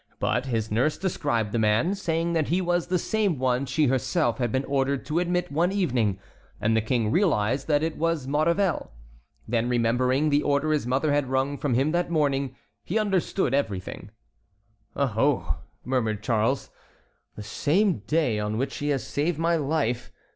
But his nurse described the man, saying that he was the same one she herself had been ordered to admit one evening, and the King realized that it was Maurevel. Then remembering the order his mother had wrung from him that morning, he understood everything. "Oh, ho!" murmured Charles, "the same day on which he has saved my life.